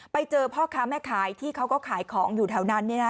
ไปเจอพ่อค้าแม่ขายที่เขาก็ขายของอยู่แถวนั้น